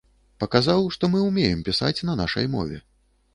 Паказаў, што мы ўмеем пісаць на нашай мове.